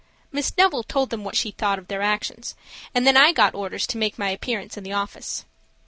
Miss Neville told them what she thought of their actions, and then I got orders to make my appearance in the office.